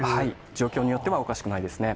状況によってはおかしくないですね。